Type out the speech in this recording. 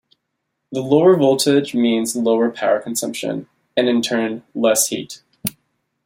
The lower voltage means lower power consumption, and in turn less heat.